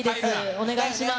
お願いします。